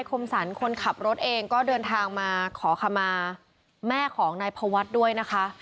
คมสรรคนขับรถเองก็เดินทางมาขอขมาแม่ของนายพวัฒน์ด้วยนะคะ